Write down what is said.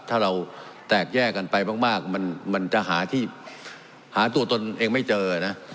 ถ้าเราแตกแยกกันไปมากมันจะหาที่หาตัวตนเองไม่เจอนะ